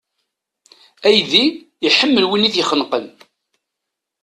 Aydi, iḥemmel win i t-ixenqen.